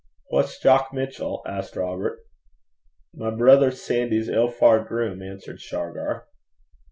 'Wha's Jock Mitchell?' asked Robert. 'My brither Sandy's ill faured groom,' answered Shargar.